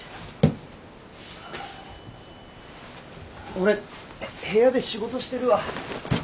俺部屋で仕事してるわ。